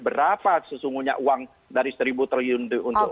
berapa sesungguhnya uang dari seribu triliun untuk masyarakat bawah dan sebagainya